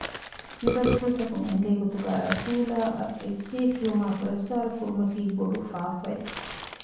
މި ބަސްފުޅުތަކުން އެނގޭ ގޮތުގައި ރަސޫލާއަށް އެއްޗެހި ކިޔުމާއި ފުރައްސާރަ ކުރުމަކީ ބޮޑު ފާފައެއް